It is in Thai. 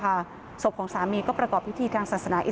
เขาบอกว่าอยู่ที่ลังงูแล้วก็ถึงที่เกิดเหตุ